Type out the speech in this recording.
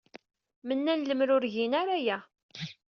Mennan lemmer ur gin ara aya.